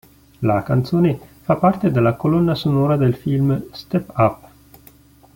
La canzone fa parte della colonna sonora del film "Step Up".